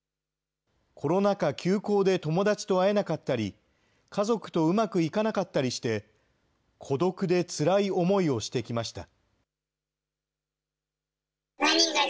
コロナ禍、休校で友達と会えなかったり、家族とうまくいかなかったりして、孤独でつらい思いをしてきました。